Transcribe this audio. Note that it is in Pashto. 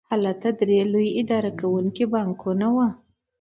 هلته درې لوی اداره کوونکي بانکونه وو